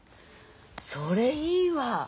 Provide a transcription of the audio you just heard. それいいわ！